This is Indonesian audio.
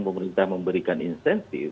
pemerintah memberikan insentif